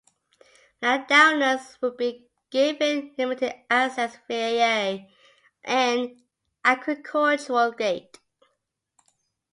Landowners would be given limited access via an agricultural gate.